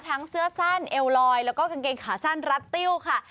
เสื้อสั้นเอวลอยแล้วก็กางเกงขาสั้นรัดติ้วค่ะ